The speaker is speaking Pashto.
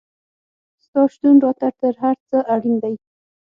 ستا شتون راته تر هر څه اړین دی